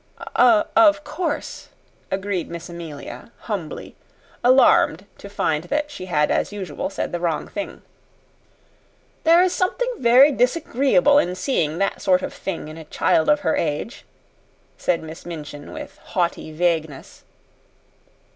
"Of of course," agreed Miss Amelia, humbly, alarmed to find that she had, as usual, said the wrong thing. "There is something very disagreeable in seeing that sort of thing in a child of her age," said Miss Minchin, with haughty vagueness.